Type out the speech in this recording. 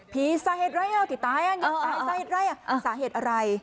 ผีสาเหตุไรอ่ะกี่ตายอ่ะยังตายสาเหตุไรอ่ะสาเหตุอะไร